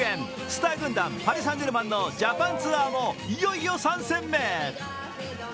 スター軍団パリ・サン＝ジェルマンのジャパンツアーもいよいよ３戦目。